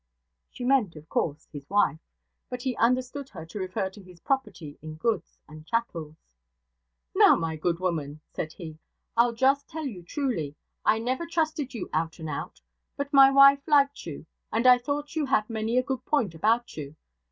She meant, of course, his wife; but he understood her to refer to his property in goods and chattels. 'Now, my good woman,' said he, 'I'll just tell you truly, I never trusted you out and out; but my wife liked you, and I thought you had many a good point about you.